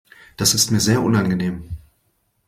Das ist mir sehr unangenehm.